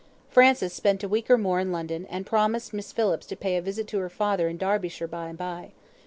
Francis spent a week or more in London, and promised Miss Phillips to pay a visit to her father in Derbyshire by and by.